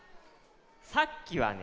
さっきはね